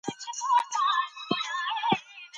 ماشوم د خپلې مور په مخ په نرمۍ لاس تېر کړ.